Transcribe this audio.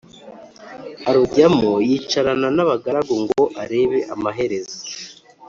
arujyamo yicarana n’abagaragu ngo arebe amaherezo.